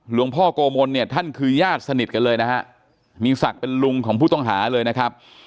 หลวงพ่อโกมลเนี่ยท่านคือญาติสนิทกันเลยนะฮะมีศักดิ์เป็นลุงของผู้ต้องหาเลยนะครับ